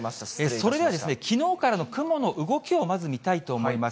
それではきのうからの雲の動きを、まず見たいと思います。